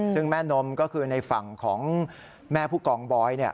ซึ่งแม่นมก็คือในฝั่งของแม่ผู้กองบอย